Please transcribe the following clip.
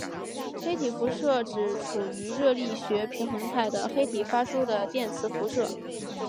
黑体辐射指处于热力学平衡态的黑体发出的电磁辐射。